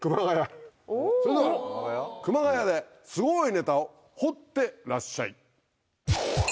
それでは熊谷ですごいネタを掘ってらっしゃい。